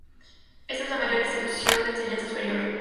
Esta es la mayor institución de enseñanza superior.